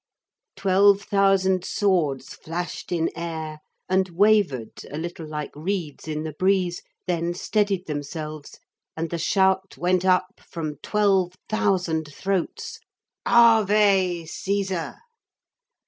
] Twelve thousand swords flashed in air and wavered a little like reeds in the breeze, then steadied themselves, and the shout went up from twelve thousand throats: 'Ave Caesar!'